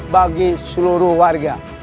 bagi seluruh warga